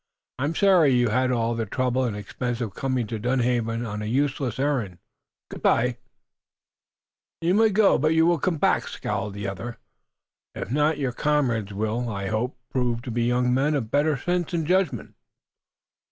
"I'm sorry you had all the trouble and expense of coming to Dunhaven on a useless errand. Good bye!" "Ach! You may go, but you will come back," scowled the other. "If not, your comrades will, I hope, prove to be young men of better sense and judgment."